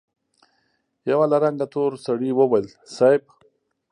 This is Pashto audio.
يوه له رنګه تور سړي وويل: صېب!